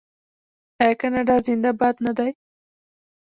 آیا کاناډا زنده باد نه دی؟